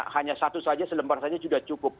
hanya satu saja selembar saja sudah cukup